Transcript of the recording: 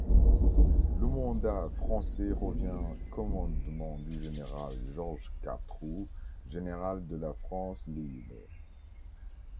Le mandat français revient commandement du général Georges Catroux, général de la France libre.